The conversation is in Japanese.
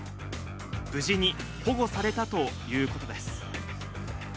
無事に保護されたということです。